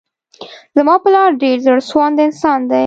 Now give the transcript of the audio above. زما پلار ډير زړه سوانده انسان دی.